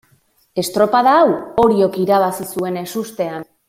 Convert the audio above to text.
Estropada hau Oriok irabazi zuen ezustean.